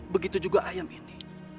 begitu juga ayam ini